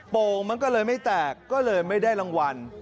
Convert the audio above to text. โง่งมันก็เลยไม่แตกก็เลยไม่ได้รางวัล